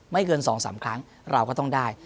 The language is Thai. เกิน๒๓ครั้งเราก็ต้องได้